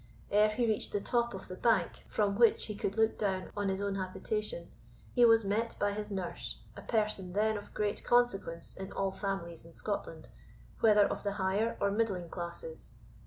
Ere he reached the top of the bank from which he could look down on his own habitation, he was met by his nurse, a person then of great consequence in all families in Scotland, whether of the higher or middling classes.